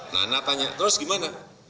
nana tanya terus gimana